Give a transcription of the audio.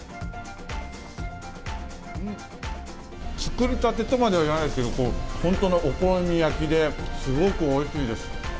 作りたてとまでは言わないですけど、本当のお好み焼きで、すごくおいしいです。